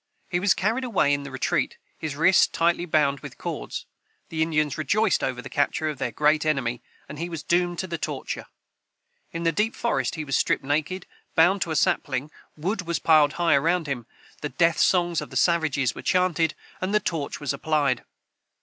He was carried away in the retreat, his wrists tightly bound with cords. The Indians rejoiced over the capture of their great enemy, and he was doomed to the torture. In the deep forest he was stripped naked, bound to a sapling, wood was piled high around him, the death songs of the savages were chanted, and the torch was applied.